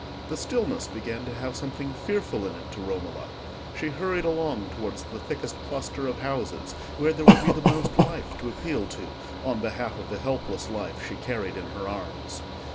The stillness began to have something fearful in it to Romola; she hurried along towards the thickest cluster of houses, where there would be the most life to appeal to on behalf of the helpless life she carried in her arms.